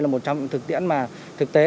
là một trong những thực tiễn mà thực tế